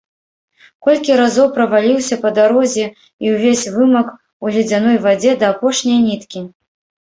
Колькі разоў праваліўся па дарозе і ўвесь вымак у ледзяной вадзе да апошняй ніткі.